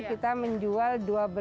kita menjual dua belas lima ratus